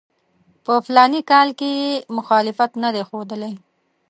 په فلاني کال کې یې مخالفت نه دی ښودلی.